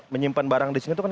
menyimpan barang di sini itu kan